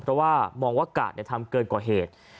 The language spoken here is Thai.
เพราะว่ามองว่ากาดทำเกินกว่าเหตุ